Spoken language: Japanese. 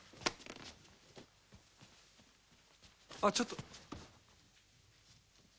あっちょっと。